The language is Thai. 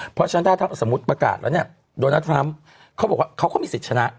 เพราะฉะนั้นถ้าสมมุติประกาศแล้วเนี่ยโดนัททรัมป์เขาบอกว่าเขาก็มีสิทธิ์ชนะ